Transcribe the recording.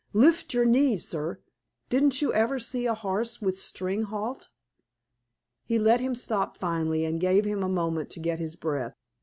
"Lift your knees, sir. Didn't you ever see a horse with string halt?" He let him stop finally, and gave him a moment to get his breath.